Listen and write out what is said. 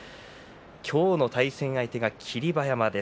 今日の対戦相手は霧馬山です。